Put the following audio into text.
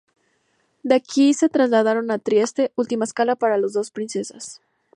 De aquí se trasladaron a Trieste, última escala para las dos princesas.